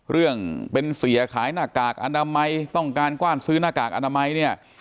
เรื่องเป็นเสียขายหน้ากากอนามัยต้องการกว้านซื้อหน้ากากอนามัยเนี่ย